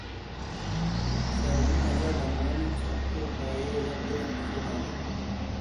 شرُونی اجا ڈنگونی چھکتُر پَیئے یہہ گُنیک شینالے۔